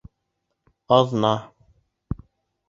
Аҙна